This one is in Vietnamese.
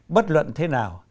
bất luận thế nào